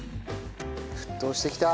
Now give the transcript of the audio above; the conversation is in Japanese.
沸騰してきた！